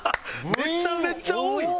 めちゃめちゃ多い！